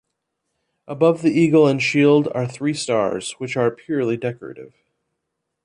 Above the eagle and shield are three stars, which are purely decorative.